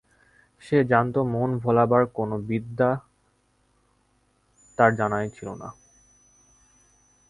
সে জানত মন ভোলাবার কোনো বিদ্যে তার জানাই ছিল না।